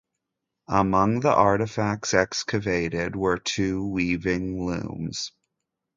Among the artefacts excavated were two weaving looms.